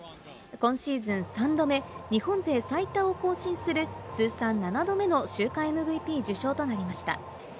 今シーズン３度目、日本勢最多を更新する、通算７度目の週間ＭＶＰ受賞となりました。